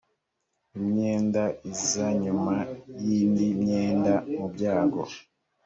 imyenda iza nyuma y indi myenda mubyago